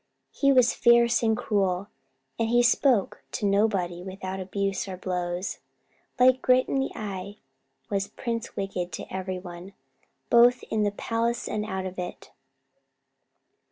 He was fierce and cruel, and he spoke to nobody without abuse, or blows. Like grit in the eye, was Prince Wicked to every one, both in the palace and out of it.